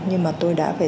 nhưng mà tôi đã phải dành